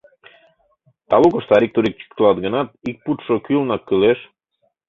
Талукышто, арик-турик чӱктылат гынат, ик пудшо кӱлынак-кӱлеш.